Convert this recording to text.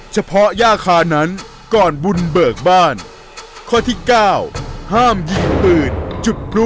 เฉพาะย่าคานั้นก่อนบุญเบิกบ้านข้อที่เก้าห้ามยิงปืนจุดพลุ